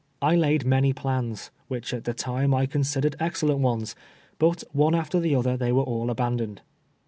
I laid many plans, AvliicL at tlie time I considered excellent ones, but one after tLe otlier tliey were all abandoned.